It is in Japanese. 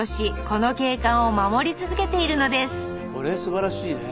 これすばらしいね。